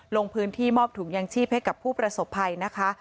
ลงพื้นที่มอบถุงยางชีพให้กับผู้ประสบภัยนะคะ